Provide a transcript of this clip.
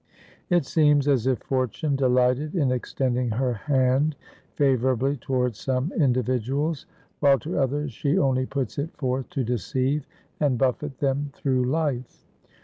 ] It seems as if Fortune delighted in extending her hand favorably towards some individuals, while to others she only puts it forth to deceive and buffet them through life.